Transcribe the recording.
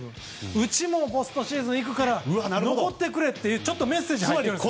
うちもポストシーズンいくから残ってくれというちょっとメッセージを発してるんです。